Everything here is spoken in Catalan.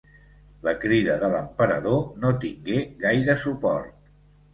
La crida de l'emperador no tingué gaire suport.